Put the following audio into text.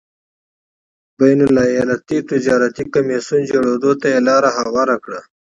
بین الایالتي تجارتي کمېسیون جوړېدو ته یې لار هواره کړه.